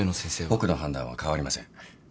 僕の判断は変わりません。